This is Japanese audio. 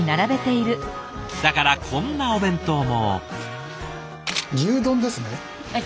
だからこんなお弁当も。